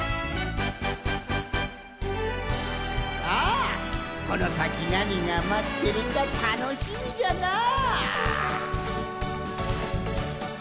さあこのさきなにがまってるかたのしみじゃなあ！